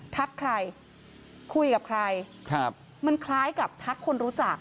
ทักใครคุยกับใครครับมันคล้ายกับทักคนรู้จัก